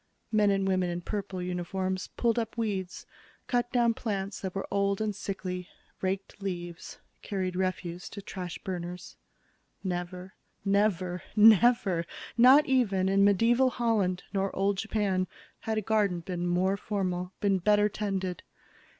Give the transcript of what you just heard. Men and women in purple uniforms pulled up weeds, cut down plants that were old and sickly, raked leaves, carried refuse to trash burners. Never, never, never not even in medieval Holland nor old Japan had a garden been more formal, been better tended.